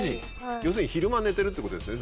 要するに昼間寝てるってことですね